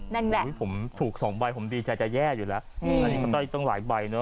นั่นแหละผมถูกสองใบผมดีใจจะแย่อยู่แล้วอันนี้ก็ต้องหลายใบเนอ